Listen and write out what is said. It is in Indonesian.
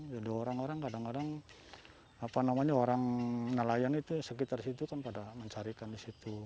jadi orang orang kadang kadang apa namanya orang nelayan itu sekitar situ kan pada mencarikan di situ